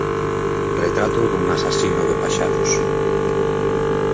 Retrato dun asasino de paxaros